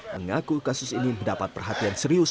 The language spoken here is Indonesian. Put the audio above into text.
mengaku kasus ini mendapat perhatian serius